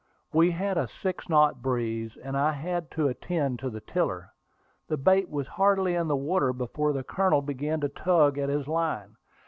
We had a six knot breeze, and I had to attend to the tiller. The bait was hardly in the water before the Colonel began to tug at his line.